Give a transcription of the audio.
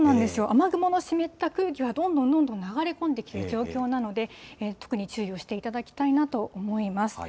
雨雲の湿った空気はどんどんどんどん流れ込んできている状況なので、特に注意をしていただきたいなと思います。